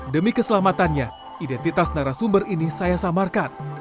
demi keselamatannya identitas narasumber ini saya samarkan